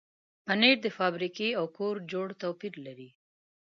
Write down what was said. پنېر د فابریکې او کور جوړ توپیر لري.